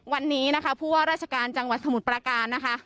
วันนี้นะคะผู้ว่าราชการจังหวัดสมุทรประการนะคะ